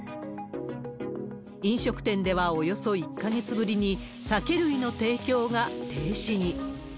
飲食店ではおよそ１か月ぶりに、酒類の提供が停止に。